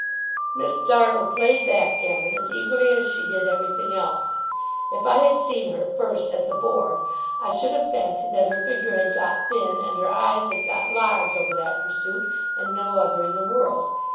Miss Dartle played backgammon as eagerly as she did everything else. If I had seen her, first, at the board, I should have fancied that her figure had got thin, and her eyes had got large, over that pursuit, and no other in the world.